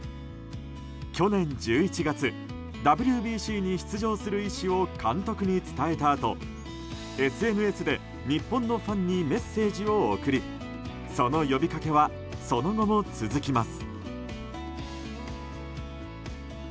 去年１１月ＷＢＣに出場する意思を監督に伝えたあと、ＳＮＳで日本のファンにメッセージを送りその呼びかけはその後も続きます。